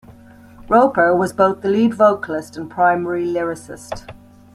Roper was both the lead vocalist and primary lyricist.